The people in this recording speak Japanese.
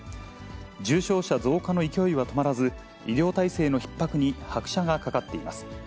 重症者増加の勢いは止まらず、医療体制のひっ迫に拍車がかかっています。